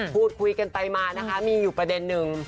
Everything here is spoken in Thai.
พูดคุยกันไปมานะคะมีอยู่ประเด็นนึง